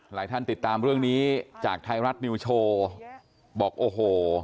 หลายท่านติดตามเรื่องนี้จากไทยรัฐนิวโชว์บอกโอ้โห